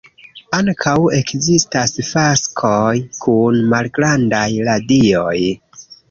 Ankaŭ ekzistas faskoj kun malgrandaj radioj.